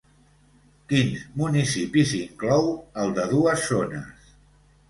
Quins municipis inclou el de dues zones?